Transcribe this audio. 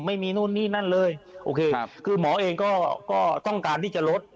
ไม่มีนู่นนี่นั่นเลยโอเคคือหมอเองก็ต้องการที่จะลด